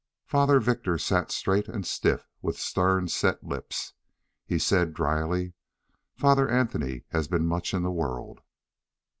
Father Victor sat straight and stiff with stern, set lips. He said dryly: "Father Anthony has been much in the world."